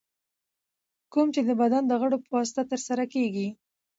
کوم چي د بدن د غړو په واسطه سرته رسېږي.